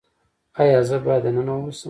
ایا زه باید دننه اوسم؟